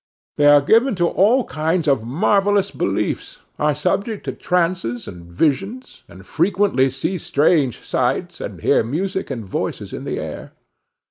They are given to all kinds of marvellous beliefs, are subject to trances and visions, and frequently see strange sights, and hear music and voices in the air.